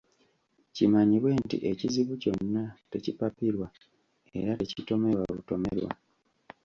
Kimanyibwe nti ekizibu kyonna tekipapirwa era tekitomerwa butomerwa.